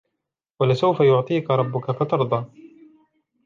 ولسوف يعطيك ربك فترضى